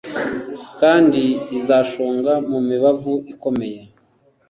Kandi izashonga mumibavu ikomeye